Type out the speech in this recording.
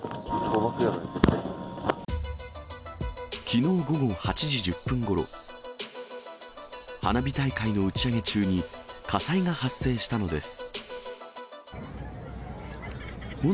きのう午後８時１０分ごろ、花火大会の打ち上げ中に火災が発生したのです。